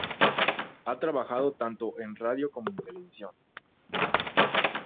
Ha trabajado tanto en radio como en televisión.